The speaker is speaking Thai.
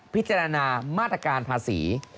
พิจารณามาตรการภาษี